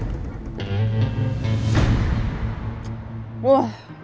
pincerin lo udah kok wor